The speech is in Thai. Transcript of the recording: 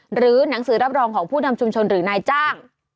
หรือหนังสือรับรองของผู้นำชุมชนหรือนายจ้าง